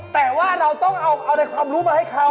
แต่ว่าเราต้องเอาในความรู้มาให้เขา